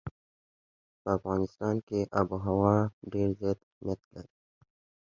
په افغانستان کې آب وهوا ډېر زیات اهمیت لري.